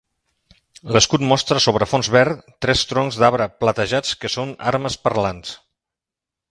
L'escut mostra sobre fons verd tres troncs d'arbre platejats que són Armes parlants.